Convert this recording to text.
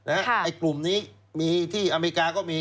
ไอ้กลุ่มนี้มีที่อเมริกาก็มี